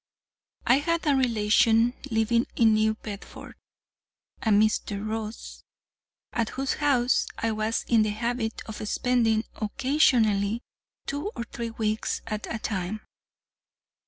I had a relation living in New Bedford, a Mr. Ross, at whose house I was in the habit of spending occasionally two or three weeks at a time.